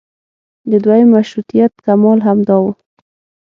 د دویم مشروطیت کمال همدا و.